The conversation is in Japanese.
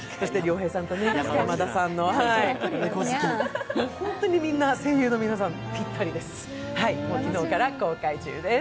亮平さんと今田さん、本当にみんな、声優の皆さん、ぴったりです。